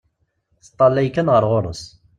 Teṭṭalay kan ɣer ɣur-s.